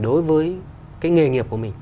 đối với cái nghề nghiệp của mình